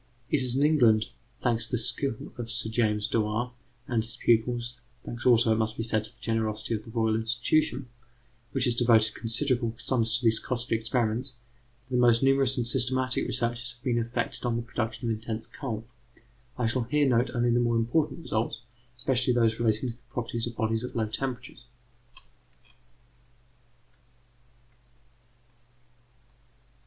ED] It is in England, thanks to the skill of Sir James Dewar and his pupils thanks also, it must be said, to the generosity of the Royal Institution, which has devoted considerable sums to these costly experiments that the most numerous and systematic researches have been effected on the production of intense cold. I shall here note only the more important results, especially those relating to the properties of bodies at low temperatures.